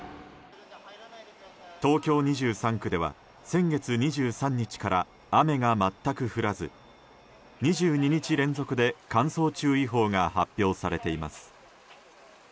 東京２３区では先月２３日から雨が全く降らず２２日連続で乾燥注意報が発表されています。